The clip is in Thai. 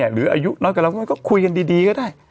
อายุน้อยกว่าเราก็คุยกันดีก็ได้